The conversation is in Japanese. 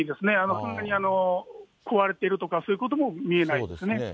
そんなに壊れているとか、そういうことも見えないですね。